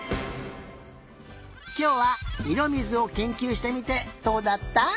きょうはいろみずをけんきゅうしてみてどうだった？